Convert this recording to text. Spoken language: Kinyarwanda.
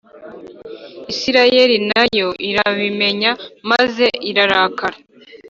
Isirayeli na yo irabimenya maze irrarakara